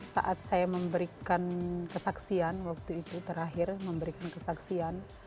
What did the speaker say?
saat saya memberikan kesaksian waktu itu terakhir memberikan kesaksian